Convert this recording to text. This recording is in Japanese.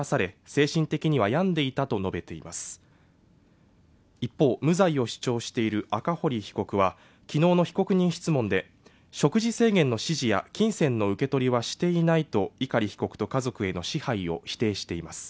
精神的にはやんでいたと述べています一方無罪を主張している赤堀被告はきのうの被告人質問で食事制限の指示や金銭の受け取りはしていないと碇被告と家族への支配を否定しています